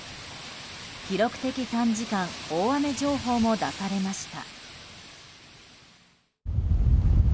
記録的短時間大雨情報も出されました。